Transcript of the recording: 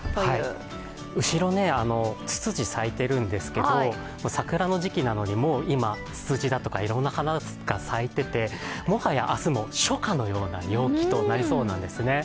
後ろね、ツツジ咲いてるんですけど、桜の時期なのに、もう今ツツジだとかいろいろな花が咲いてて、もはや明日も初夏のような陽気となりそうなんですね。